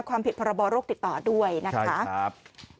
ความผิดพรบโรคติดต่อด้วยนะคะ